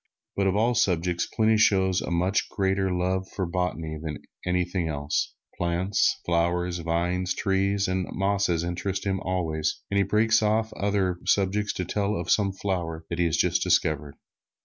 But of all subjects, Pliny shows a much greater love for botany than for anything else. Plants, flowers, vines, trees and mosses interest him always, and he breaks off other subjects to tell of some flower that he has just discovered.